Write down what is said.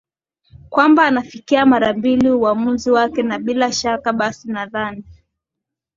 kwamba anafikia mara mbili uwamuzi wake na bila shaka basi nadhani